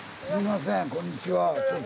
こんにちは。